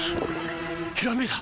ひらめいた！